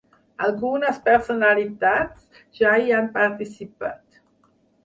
Algunes personalitats ja hi han participat.